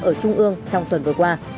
ở trung ương trong tuần vừa qua